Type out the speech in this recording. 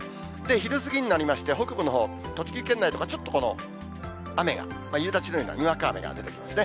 昼過ぎになりまして、北部のほう、栃木県内とかちょっと雨が、夕立のようなにわか雨が出てきますね。